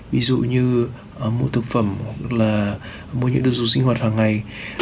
ví dụ như mua thực phẩm hoặc là mua những đồ dùng sinh hoạt hàng ngày